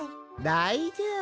だいじょうぶ。